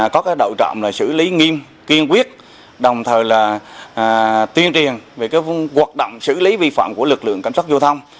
có cái đậu trọng là xử lý nghiêm kiên quyết đồng thời là tuyên truyền về cái vùng hoạt động xử lý vi phạm của lực lượng cảnh sát giao thông